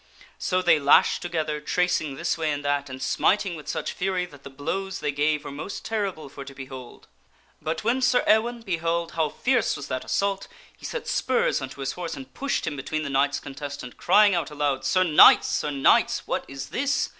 So they lashed together, tracing this way and that, and smiting with such fury that the blows they gave were most terrible for to behold. But when Sir Ewaine beheld how fierce was that assault, he set spurs unto his horse and pushed him between the knights contestant, crying out aloud, ' Sir Knights ! Sir Knights ! what is this?